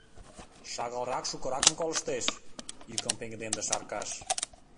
— Шагалрак шукыракым колыштеш! — йӱкым пеҥгыдемдыш Аркаш.